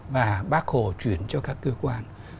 và bác hồ chuyển cho các cơ quan